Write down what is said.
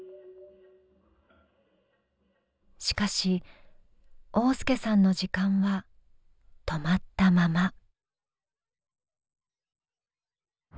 しかし旺亮さんの時間は止まったまま。